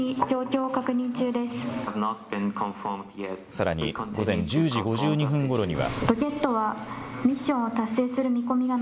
さらに午前１０時５２分ごろには。